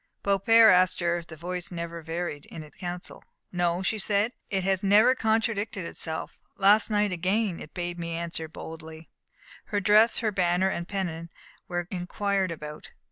Beaupère asked her if the voice never varied in its counsel. "No," she said; "it has never contradicted itself. Last night again it bade me answer boldly." Her dress, her banner and pennon, were inquired about.